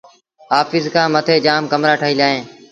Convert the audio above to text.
آڦيٚس کآݩ مٿي جآم ڪمرآ ٺهيٚل اوهيݩ